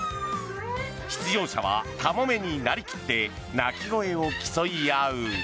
出場者はカモメになり切って鳴き声を競い合う。